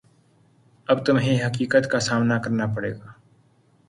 اب تمہیں حقیقت کا سامنا کرنا پڑے گا